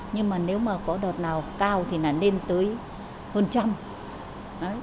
nhưng mà nếu mà có đợt nào cao thì là lên tới hơn trăm